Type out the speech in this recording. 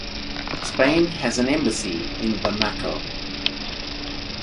Spain has an embassy in Bamako.